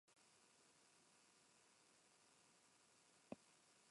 Sin embargo, esta tarea no resulta en modo alguno sencilla.